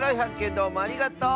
どうもありがとう！